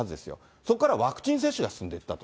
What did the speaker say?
そこからワクチン接種が進んでいったと。